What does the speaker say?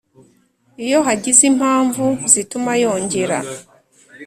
Iyo hagize impamvu zituma yongera